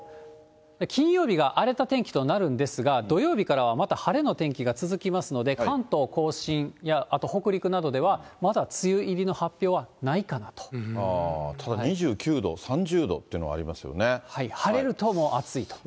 金曜日が荒れた天気となるんですが、土曜日からは、また晴れの天気が続きますので、関東甲信やあと北陸などでは、ただ、２９度、晴れると暑いと。